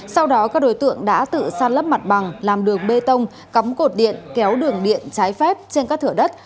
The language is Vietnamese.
sau đó các đối tượng đã tự san lấp mặt bằng làm đường bê tông cắm cột điện kéo đường điện trái phép trên các thửa đất